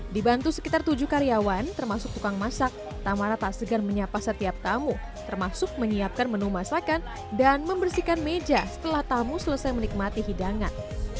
dibantu sekitar tujuh karyawan termasuk tukang masak tamara tak segan menyapa setiap tamu termasuk menyiapkan menu masakan dan membersihkan meja setelah tamu selesai menikmati hidangan